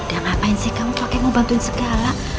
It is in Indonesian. udah ngapain sih kamu pakai mau bantuin segala